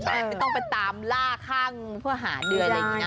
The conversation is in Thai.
ไม่ต้องไปตามล่าข้างเพื่อหาเดือนอะไรอย่างนี้นะ